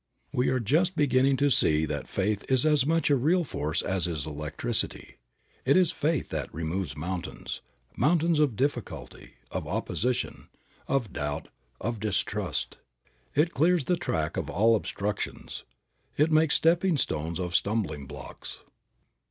We are just beginning to see that faith is as much a real force as is electricity. It is faith that removes mountains mountains of difficulty, of opposition, of doubt, of distrust. It clears the track of all obstructions. It makes stepping stones of stumbling blocks.